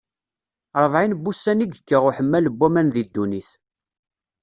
Ṛebɛin n wussan i yekka uḥemmal n waman di ddunit.